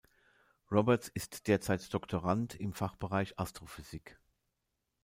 Roberts ist derzeit Doktorand im Fachbereich Astrophysik.